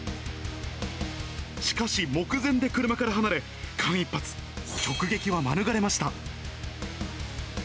しかし、目前で車から離れ、間一髪、直撃は免れました。